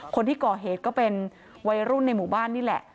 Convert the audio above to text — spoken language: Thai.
คนที่ก่อเหตุก็เป็นวัยรุ่นในหมู่บ้านนี่แหละ